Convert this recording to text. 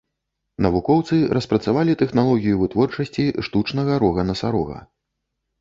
Навукоўцы распрацавалі тэхналогію вытворчасці штучнага рога насарога.